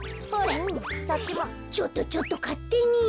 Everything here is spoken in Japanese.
ちょっとちょっとかってに。